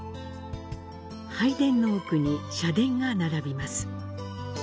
拝殿の奥に社殿が並びます。